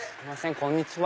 こんにちは。